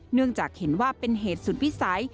เนื่องจากเห็นว่าเป็นเหตุสุดวิสัย